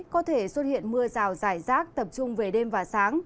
có thể xuất hiện mưa rào dài rác tập trung về đêm và sáng